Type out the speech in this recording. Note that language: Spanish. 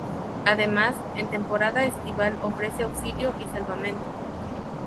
Además, en temporada estival ofrece auxilio y salvamento.